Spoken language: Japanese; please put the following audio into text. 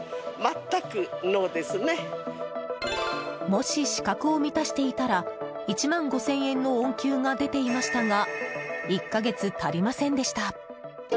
もし、資格を満たしていたら１万５０００円の恩給が出ていましたが１か月足りませんでした。